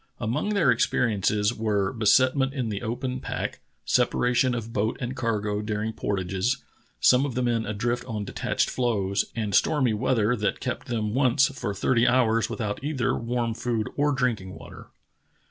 Among their experi ences were besetment in the open pack, separation of boat and cargo during portages, some of the men adrift on detached floes, and stormy weather that kept them once for thirty hours without either warm food or drink ing water.